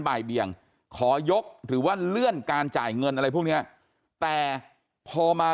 บ่ายเบียงขอยกหรือว่าเลื่อนการจ่ายเงินอะไรพวกเนี้ยแต่พอมา